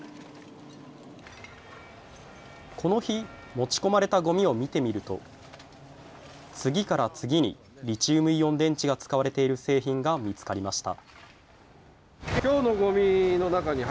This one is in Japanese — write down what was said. この日、持ち込まれたごみを見てみると、次から次に、リチウムイオン電池が使われている製品が見つかりました。